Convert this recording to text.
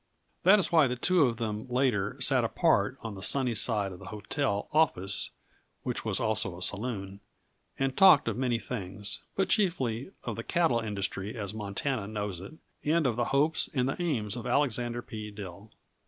That is why the two of them later sat apart on the sunny side of the hotel "office" which was also a saloon and talked of many things, but chiefly of the cattle industry as Montana knows it and of the hopes and the aims of Alexander P. Dill.